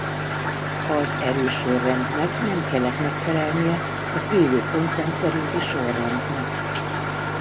Az erősorrendnek nem kellett megfelelnie az Élő-pontszám szerinti sorrendnek.